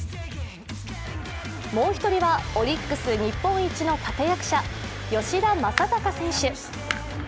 もう１人は、オリックス日本一の立役者、吉田正尚選手。